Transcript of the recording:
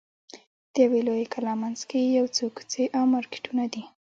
د یوې لویې کلا منځ کې یو څو کوڅې او مارکېټونه دي.